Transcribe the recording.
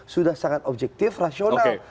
sudah sangat objektif rasional